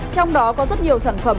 trong đó có rất nhiều sản phẩm